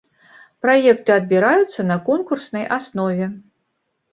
Праекты адбіраюцца на конкурснай аснове.